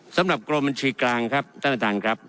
สำหรับกรมบัญชีกลางครับท่านประธานครับ